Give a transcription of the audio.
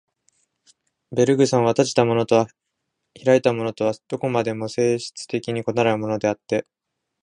ベルグソンは、閉じたものと開いたものとはどこまでも性質的に異なるものであって、